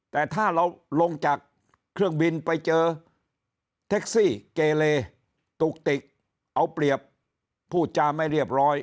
แต่ถ้าเราลงจากเครื่องบินไปเจอแท็กซี่เกเลตุกติกเอาเปรียบพูดจาไม่เรียบร้อย